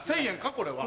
これは。